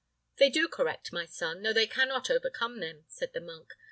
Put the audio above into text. "They do correct, my son, though they cannot overcome them," said the monk.